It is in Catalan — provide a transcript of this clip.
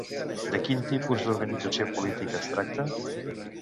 De quin tipus d'organització política es tracta?